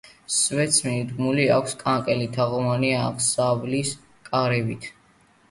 სვეტს მიდგმული აქვს კანკელი თაღოვანი აღსავლის კარებით.